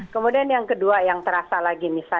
kemudian yang kedua yang terasa lagi misalnya